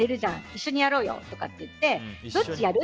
一緒にやろうよとか言ってどっちやる？